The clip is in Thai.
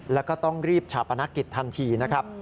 แล้วก็ต้องรีบชาปนกิจทันทีนะครับ